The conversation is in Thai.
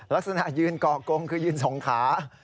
ลักษณะยืนก่อกงคือยืนสองขา